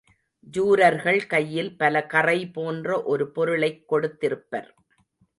ஜூரர்கள் கையில் பலகறை போன்ற ஒரு பொருளைக் கொடுத்திருப்பர்.